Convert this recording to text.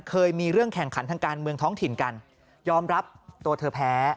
เคยมีเรื่องแข่งขันทางการเมืองท้องถิ่นกันยอมรับตัวเธอแพ้